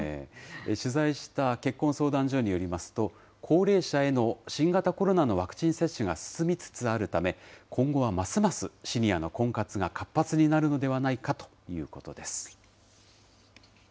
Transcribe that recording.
取材した結婚相談所によりますと、高齢者への新型コロナのワクチン接種が進みつつあるため、今後はますますシニアの婚活が活発になるのではないかということです。